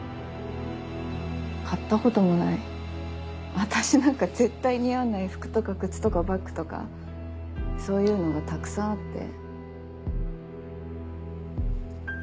買ったこともない私なんか絶対似合わない服とか靴とかバッグとかそういうのがたくさんあって。